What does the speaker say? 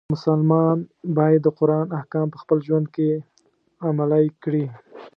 مسلمان باید د قرآن احکام په خپل ژوند کې عملی کړي.